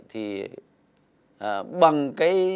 thì bằng cái